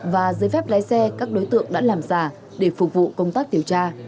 và giấy phép lái xe các đối tượng đã làm giả để phục vụ công tác điều tra